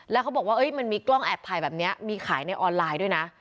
แล้วเขาบอกว่ามันมีกล้องแอบถ่ายแบบนี้มีขายในออนไลน์ด้วยนะ